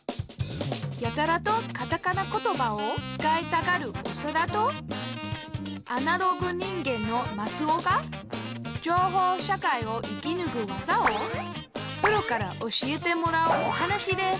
やたらとカタカナ言葉を使いたがるオサダとアナログ人間のマツオが情報社会を生きぬく技をプロから教えてもらうお話です